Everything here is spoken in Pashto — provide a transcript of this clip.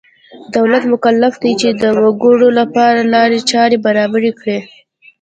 دولت مکلف دی چې د وګړو لپاره لارې چارې برابرې کړي.